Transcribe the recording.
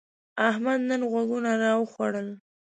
احمد نن غوږونه راوخوړل.